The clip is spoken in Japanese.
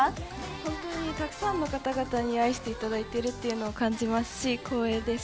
本当に、たくさんの方々に愛していただいているの感じますし光栄です。